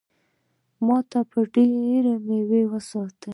ما ته به ډېرې مېوې وساتي.